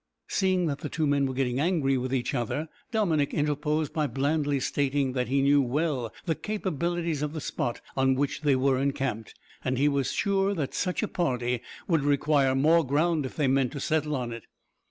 Seeing that the two men were getting angry with each other, Dominick interposed by blandly stating that he knew well the capabilities of the spot on which they were encamped, and he was sure that such a party would require more ground if they meant to settle on it.